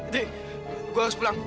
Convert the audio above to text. dek gue harus pulang